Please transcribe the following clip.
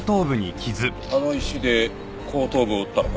あの石で後頭部を打ったのか。